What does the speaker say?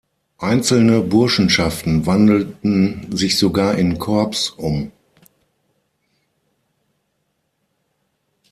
Einzelne Burschenschaften wandelten sich sogar in Corps um.